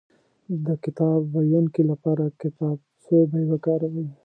د کتاب ويونکي لپاره کتابڅوبی وکاروئ